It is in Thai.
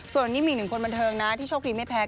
ส่วนนี้มีหนึ่งคนบันเทิงนะที่โชคดีไม่แพ้